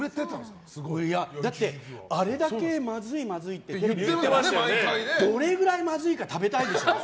だって、あれだけまずいまずいって言ってどれくらいまずいか食べたいでしょ？